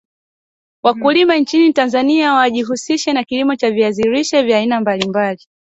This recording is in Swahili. Wakulima nchini Tanzania ujihusisha na kilimo cha viazi lishe vya aina mbali mbali